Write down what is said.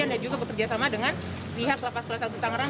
anda juga bekerja sama dengan lihar kelabas kelabas agung tangerang